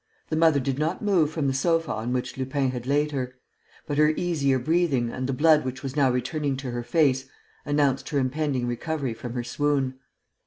The mother did not move from the sofa on which Lupin had laid her; but her easier breathing and the blood which was now returning to her face announced her impending recovery from her swoon.